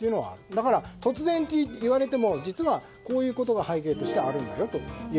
だから、突然と言われても実はこういうことが背景としてあるんだよと。